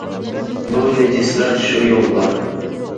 بۇ نىجىسلار شۇ يوللار.